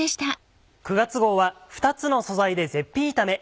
９月号は「２つの素材で絶品炒め」。